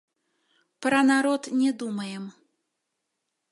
Пра народ не думаем.